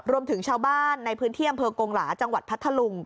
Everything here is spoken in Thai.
รวมถึงชาวบ้านในพื้นที่อำเภอกงหลาจังหวัดพัทธลุง